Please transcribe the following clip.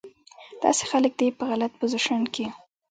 داسې خلک دې پۀ غلط پوزيشن کښې